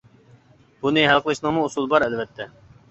بۇنى ھەل قىلىشنىڭمۇ ئۇسۇلى بار ئەلۋەتتە.